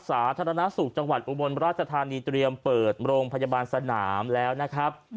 สาธารณสุขจังหวัดอุบลราชธานีเตรียมเปิดโรงพยาบาลสนามแล้วนะครับ